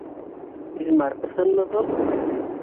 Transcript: Илмар, ысынмы был?